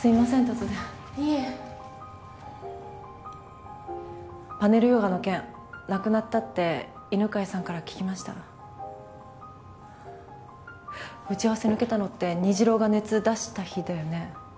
突然いえパネルヨガの件なくなったって犬飼さんから聞きました打ち合わせ抜けたのって虹朗が熱出した日だよね？